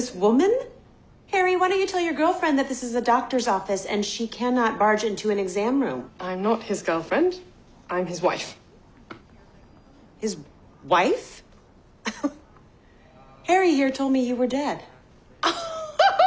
ナハハハ。